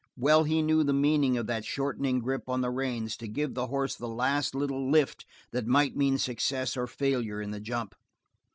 Well he knew the meaning of that shortening grip on the reins to give the horse the last little lift that might mean success or failure in the jump.